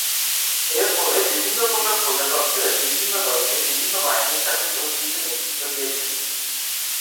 এর ফলে বিভিন্ন প্রকার প্রজাতন্ত্রের বিভিন্ন দলকে বিভিন্ন বাহিনীর সাথে যোগ দিতে নেতৃত্ব দিয়েছিল।